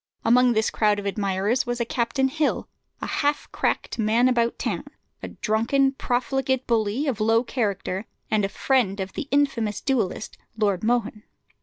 Among this crowd of admirers was a Captain Hill, a half cracked man about town, a drunken, profligate bully, of low character, and a friend of the infamous duellist, Lord Mohun.